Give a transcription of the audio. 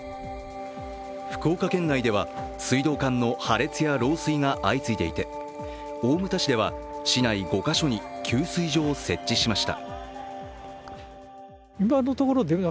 福岡県内では水道管の破裂や漏水が相次いでいて大牟田市では、市内５か所に給水所を設置しました。